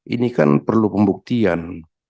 ini kan perlu pembuktian